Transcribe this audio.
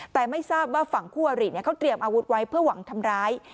แต่ไม่ทราบว่าฝั่งคู่อริเขาเตรียมอาวุธไว้เพื่อหวังทำร้าย